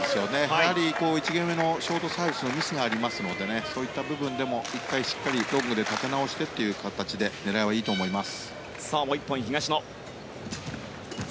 やはり１ゲーム目のショートサービスのミスがありますのでそういった部分でも１回、しっかりロングで立て直してという形で狙いはいいと思います。